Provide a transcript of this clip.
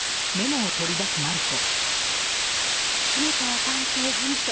姫川探偵事務所